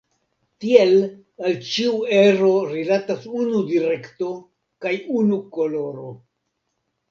Tiel al ĉiu ero rilatas unu direkto kaj unu koloro.